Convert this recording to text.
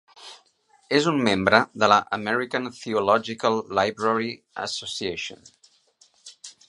És un membre de la American Theological Library Association.